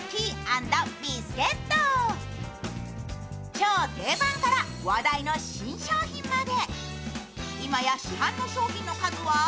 超定番から話題の新商品まで。